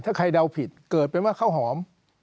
ถ้าใครเดาผิดเกิดเป็นว่าข้าวหอม